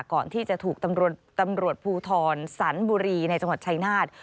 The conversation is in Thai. ก่อนที่จะถูกตำรวจภูทรสันบุรีในจังหวัดชายนาฏ